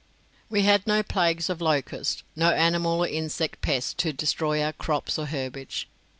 We had no plagues of locust, no animal or insect pests to destroy our crops or herbage.